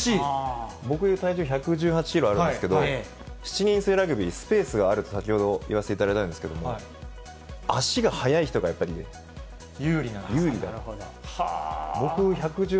僕、体重１１８キロあるんですけど、７人制ラグビー、スペースがあると先ほど、言わせていただいたんですけども、足が速い人がやっぱり有利なんです。